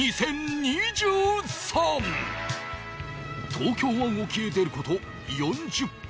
東京湾沖へ出る事４０分